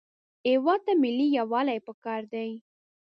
هېواد ته ملي یووالی پکار دی